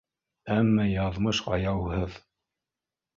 Әммә яҙмыш аяуһыҙ